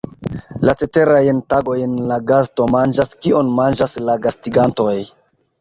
La ceterajn tagojn la gasto manĝas kion manĝas la gastigantoj.